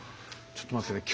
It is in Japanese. ちょっと待って下さい。